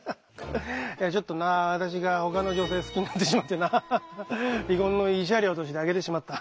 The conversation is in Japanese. いやちょっとな私がほかの女性好きになってしまってな離婚の慰謝料としてあげてしまった。